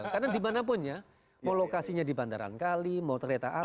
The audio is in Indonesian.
karena dimanapun ya mau lokasinya di bandarangkali mau terletak ati